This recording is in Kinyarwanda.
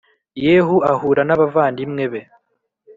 Yehu ahura n abavandimwe be